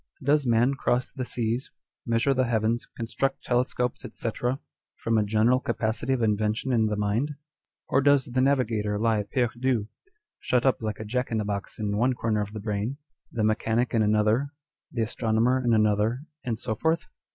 Does man cross the seas, measure the heavens, construct telescopes, &c., from a general capacity of invention in the mind, or does the navigator lie perdu, shut up like a Jack in a box in one corner of the brain, the mechanic in another, the astronomer in another, and so forth